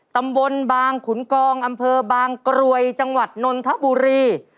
ตำบลบางขุนกองอำเภอบางกรวยจังหวัดนนทบุรี